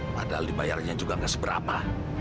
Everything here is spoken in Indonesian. bahkan dengan bevil ini tidak k sinnedih berapa